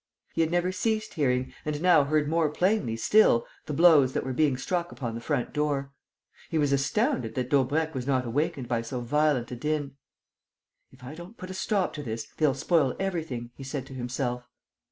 He had never ceased hearing and now heard more plainly still the blows that were being struck upon the front door. He was astounded that Daubrecq was not awakened by so violent a din: "If I don't put a stop to this, they'll spoil everything," he said to himself.